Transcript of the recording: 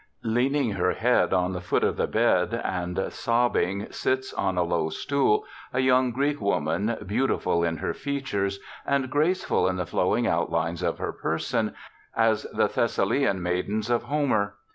Leaning her head on the foot of the bed and sobbing, sits, on a low stool, a young Greek woman, beautiful in her features, and graceful in the flowing outlines of her person, as the Thessalian maidens of Homer.